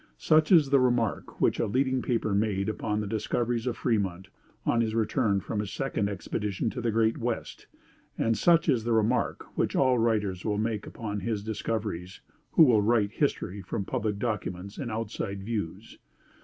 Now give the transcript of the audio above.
Such is the remark which a leading paper made upon the discoveries of Fremont, on his return from his second expedition to the great West; and such is the remark which all writers will make upon all his discoveries who write history from public documents and outside views.